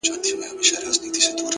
لوړ هدفونه منظم عمل غواړي.